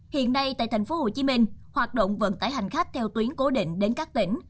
hiện nay tại tp hcm hoạt động vận tải hành khách theo tuyến cố định đến các tỉnh